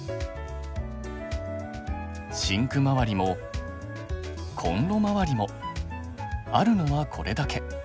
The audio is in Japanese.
シンクまわりもコンロまわりもあるのはこれだけ。